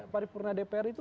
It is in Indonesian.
paripurnanya dpr itu